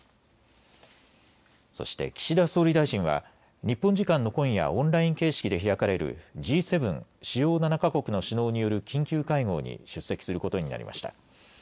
そして岸田総理大臣は日本時間の今夜、オンライン形式で開かれるＧ７・主要７か国の首脳による緊急会合に出席することになりました。